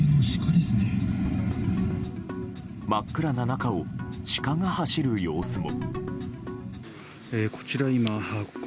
真っ暗な中をシカが走る様子も。